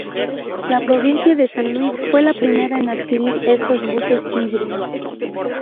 La provincia de San Luis fue la primera en adquirir estos buses híbridos.